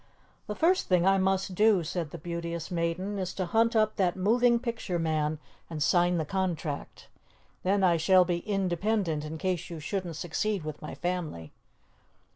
"The first thing I must do," said the Beauteous Maiden, "is to hunt up that moving picture man and sign the contract. Then I shall be independent in case you shouldn't succeed with my family."